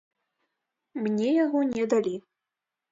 Мне яго не далі.